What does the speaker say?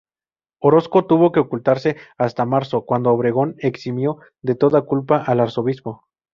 Orozco tuvo que ocultarse hasta marzo, cuando Obregón eximió de toda culpa al arzobispo.